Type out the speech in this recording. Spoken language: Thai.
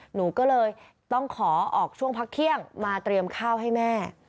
หนูก็เลยต้องขอออกช่วงพักเที่ยงมาเตรียมข้าวให้แม่